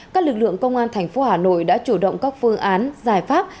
các lực lượng công an thành phố hà nội đã chủ động các phương án giải pháp